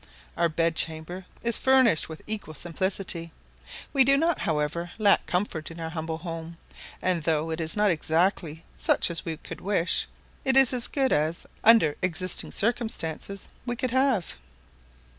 Our bed chamber is furnished with equal simplicity. We do not, however, lack comfort in our humble home; and though it is not exactly such as we could wish, it is as good as, under existing circumstances, we could have.